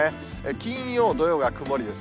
金曜、土曜が曇りです。